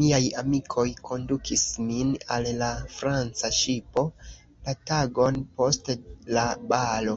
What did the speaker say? Miaj amikoj kondukis min al la Franca ŝipo, la tagon post la balo.